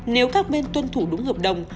nếu các bên tuân thủ đúng hợp đồng